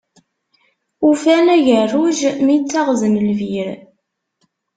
Ufan agerruj mi ttaɣzen lbir.